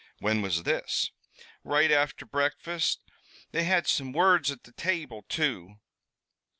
"When was this?" "Right afther breakfast. They had some words at the table, too."